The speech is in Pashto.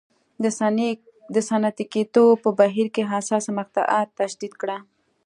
د صنعتي کېدو په بهیر کې حساسه مقطعه تشدید کړه.